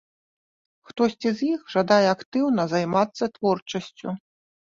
Хтосьці з іх жадае актыўна займацца творчасцю.